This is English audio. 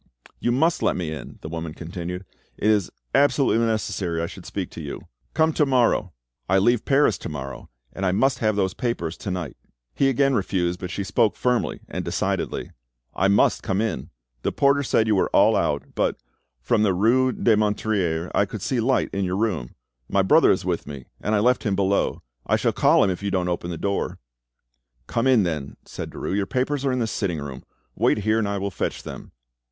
"You must let me in," the woman continued; "it is absolutely necessary I should speak to you." "Come to morrow." "I leave Paris to morrow, and I must have those papers to night." He again refused, but she spoke firmly and decidedly. "I must come in. The porter said you were all out, but, from the rue des Menetriers I could see the light in your room. My brother is with me, and I left him below. I shall call him if you don't open the door." "Come in, then," said Derues; "your papers are in the sitting room. Wait here, and I will fetch them."